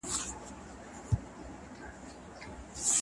بهرنۍ پالیسي د نړیوال باور له منځه نه وړي.